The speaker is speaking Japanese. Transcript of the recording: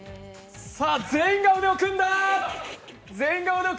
全員が腕を組んだ！